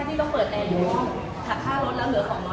ถ้าต้องเปิดแอร์โย่งถาดค่าร้นแล้วเหลือของน้อย